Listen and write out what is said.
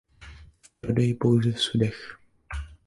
V prodeji pouze v sudech.